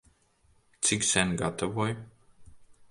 Cik sen gatavoji?